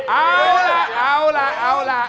เอาล่ะเอาล่ะเอาล่ะ